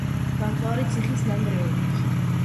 დამწვარი ციხის ნანგრევები.